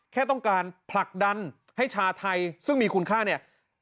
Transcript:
แค่ต้องการผลักดันให้ชาวไทยซึ่งมีคุณค่าเนี่ย